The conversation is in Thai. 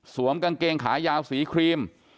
กางเกงขายาวสีครีม